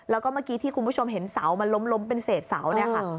แล้วก็เมื่อกี้ที่คุณผู้ชมเห็นเสามันล้มเป็นเศษเสาเนี่ยค่ะ